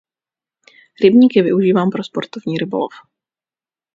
Rybník je využíván pro sportovní rybolov.